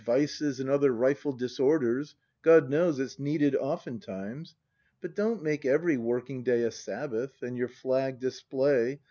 Vices, and other rifle disorders; God knows, it's needed oftentimes! But don't make every working day A Sabbath, and your flag display.